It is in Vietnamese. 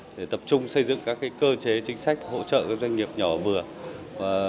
và tập trung xây dựng các cơ chế chính sách hỗ trợ doanh nghiệp nhỏ và vừa